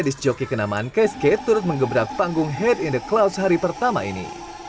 disc jockey kenamaan ksg turut mengebrak panggung head in the cloud sehari pertama ini